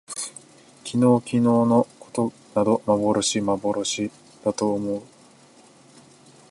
昨日きのうのことなど幻まぼろしだと思おもおう